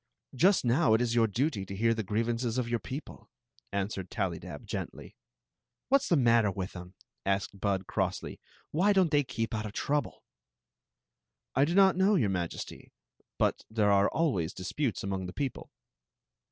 Just now it is your duty to hear the grievances of your people," answered Tallydab, gently. " What 's the matter with 'em ?" asked Bud, crossly. "Why don't they keep out of trouble?" "I do not know, your Majesty; but. there are always disputes among the people."